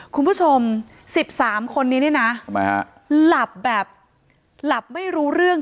คุณผู้ชม๑๓คนนี้นะหลับแบบไม่รู้เรื่อง